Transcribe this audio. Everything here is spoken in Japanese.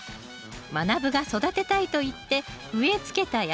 まなぶが育てたいと言って植えつけた野菜とは？